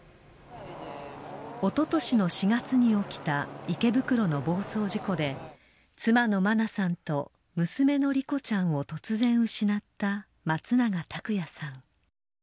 おととしの４月に起きた池袋の暴走事故で、妻の真菜さんと娘の莉子ちゃんを突然失った松永拓也さん。